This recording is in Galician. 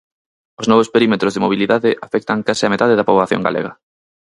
Os novos perímetros de mobilidade afectan case a metade da poboación galega.